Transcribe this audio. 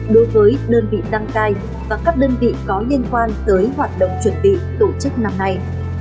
đối với đơn vị đăng cai và các đơn vị có liên quan tới hoạt động chuẩn bị tổ chức năm nay